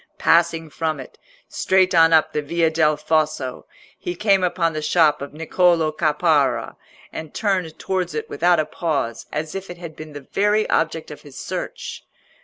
Passing from it, straight on up the Via del Fosso, he came upon the shop of Niccolò Caparra, and turned towards it without a pause, as if it had been the very object of his search.